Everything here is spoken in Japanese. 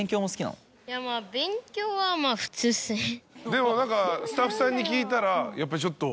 でもスタッフさんに聞いたらちょっと。